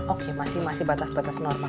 oke masih batas batas normal